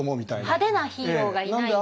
派手なヒーローがいない。